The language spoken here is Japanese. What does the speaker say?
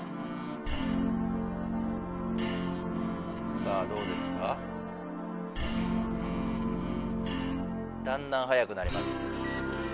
さぁどうですか？だんだん速くなります。